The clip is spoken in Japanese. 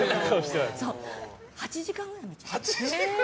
８時間くらい見ちゃう。